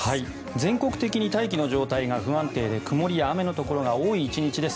全国的に大気の状態が不安定で曇りや雨のところが多い１日です。